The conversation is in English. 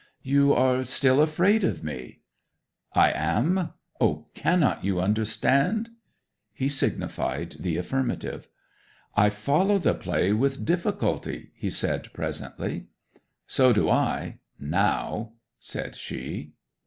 '"You are still afraid of me?" '"I am. O cannot you understand!" 'He signified the affirmative. '"I follow the play with difficulty," he said, presently. '"So do I now," said she.